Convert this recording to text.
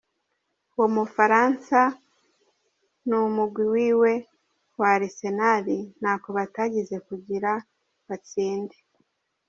Uwo mufaransa n'umugwi wiwe wa Arsenal nta ko batagize kugira batsinde.